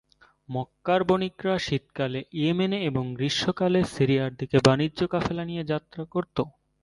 মক্কার বণিকরা শীতকালে ইয়েমেনে এবং গ্রীষ্মকালে সিরিয়ার দিকে বাণিজ্য কাফেলা নিয়ে যাত্রা করত।